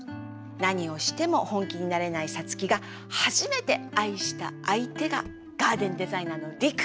何をしても本気になれない皐月が初めて愛した相手がガーデンデザイナーの陸。